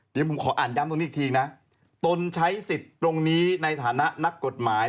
เดี๋ยวผมขออ่านย้ำตรงนี้อีกทีนะตนใช้สิทธิ์ตรงนี้ในฐานะนักกฎหมาย